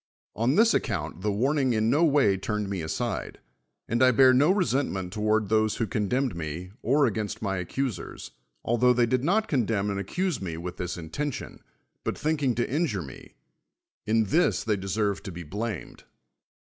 On this account the warning in no way turned me aside; and I bear no resentiueiit tou'ard those Vv'ho condemned me, or a^'ainst my accu sers, altlio they did not condeuui and accuse me with this intention, but tliinking to injure me: in this they dcsei've to ])e blamed.